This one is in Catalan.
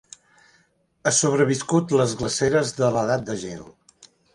Ha sobreviscut les glaceres de l'edat de gel.